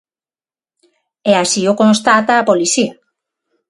E así o constata a policía.